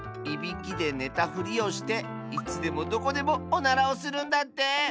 いびきでねたふりをしていつでもどこでもおならをするんだって！